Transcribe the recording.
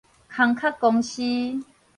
空殼公司